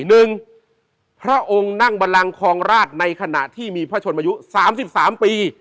หนึ่งพระองค์นั่งบันลังคลองราชในขณะที่มีพระชนมายุสามสิบสามปี